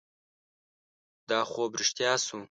دا خوب رښتیا شو.